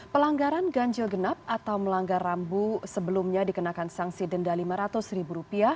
pelanggaran ganjil genap atau melanggar rambu sebelumnya dikenakan sanksi denda rp lima ratus